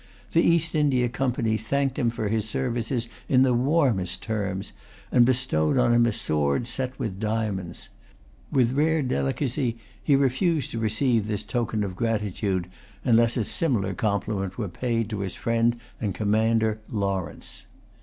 The East India Company thanked him for his services in the warmest terms, and bestowed on him a sword set with diamonds. With rare delicacy, he refused to receive this token of gratitude, unless a similar compliment were paid to his friend and commander, Lawrence.